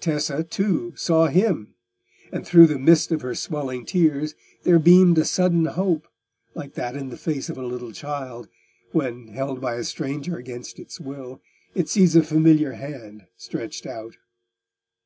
Tessa, too, saw him, and through the mist of her swelling tears there beamed a sudden hope, like that in the face of a little child, when, held by a stranger against its will, it sees a familiar hand stretched out.